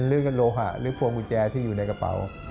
เรื่องโลหะหรือพวงกุญแจที่อยู่ในกระเป๋า